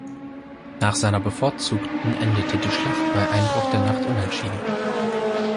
Nach seiner bevorzugten endete die Schlacht bei Einbruch der Nacht unentschieden.